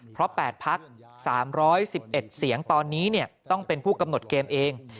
เพราะ๘พัก๓๑๑เสียงตอนนี้ต้องเป็นผู้กำหนดเกมเอง